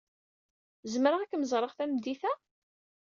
Zemreɣ ad kem-ẓreɣ tameddit-a?